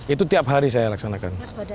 itu tiap hari saya laksanakan